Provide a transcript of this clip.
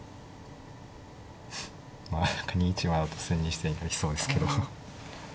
何か２一馬だと千日手になりそうですけど。